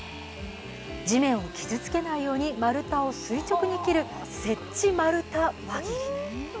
地面を傷つけないように丸太を垂直に切る接地丸太輪切り。